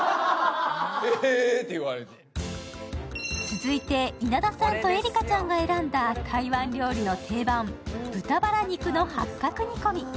続いて稲田さんと絵里花ちゃんが選んだ台湾料理の定番、豚バラ肉の八角煮込み。